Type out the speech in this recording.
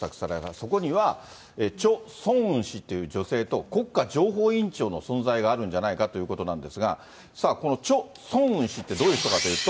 そこには、チョ・ソンウン氏という女性と国家情報院長の存在があるんじゃないかということなんですが、さあ、このチョ・ソンウン氏ってどういう人かというと。